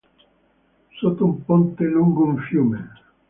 Sotto un ponte, lungo un fiume...